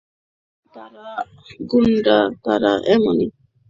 তারা গুন্ডা, তারা এমনই।